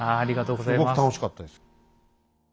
すごく楽しかったです。